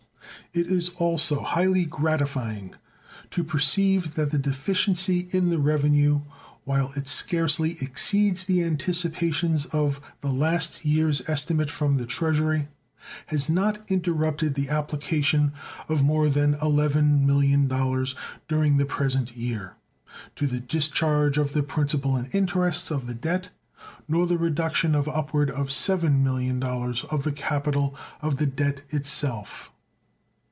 It is also highly gratifying to perceive that the deficiency in the revenue, while it scarcely exceeds the anticipations of the last year's estimate from the Treasury, has not interrupted the application of more than $11 millions during the present year to the discharge of the principal and interest of the debt, nor the reduction of upward of $7,000,000 of the capital of the debt itself.